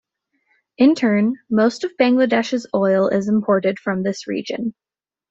In turn, most of Bangladesh's oil is imported from this region.